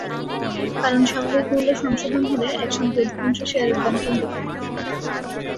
কারণ স্বাভাবিক মূল্য সংশোধন হলে একসঙ্গে অধিকাংশ শেয়ারের দাম কমতে পারে না।